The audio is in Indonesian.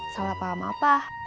salah paham apa